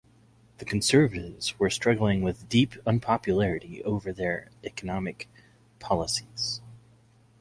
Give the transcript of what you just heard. The Conservatives were struggling with deep unpopularity over their economic policies.